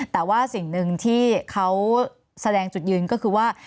แต่ว่าสิ่งหนึ่งที่เขาแสดงจุดยืนก็คือว่า